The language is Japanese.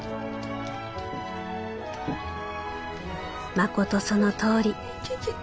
「まことそのとおり。